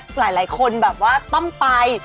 หลายคนแบบว่าต้องไป